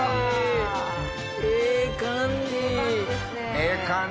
ええ感じ。